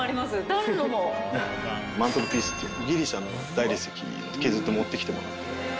マントルピースっていうギリシャの大理石を削って持ってきてもらって。